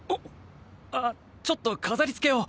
あっちょっと飾りつけを。